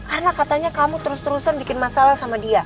karena katanya kamu terus terusan bikin masalah sama dia